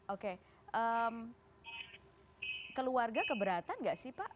oke keluarga keberatan nggak sih pak